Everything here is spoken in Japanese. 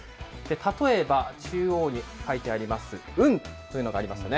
例えば、中央に書いてあります、運というのがありますよね。